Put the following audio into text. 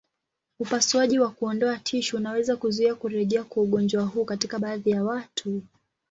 Upasuaji wa kuondoa tishu unaweza kuzuia kurejea kwa ugonjwa huu katika baadhi ya watu.